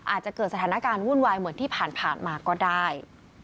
อาจจะเกิดสถานการณ์วุ่นวายเหมือนที่ผ่านมาก็ได้